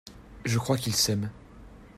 Je crois qu’ils s’aiment.